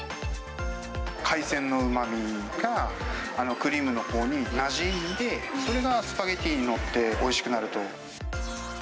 海鮮のうまみが、クリームのほうになじんで、それがスパゲティーに乗っておいしくなると。